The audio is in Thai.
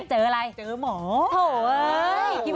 เจอหมอ